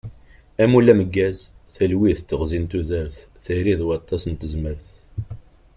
Amulli ameggaz, talwit d teɣzi n tudert, tayri d waṭas n tezmert.